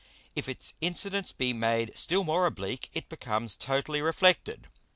If its Incidence be made still more oblique, it becomes totally reflected.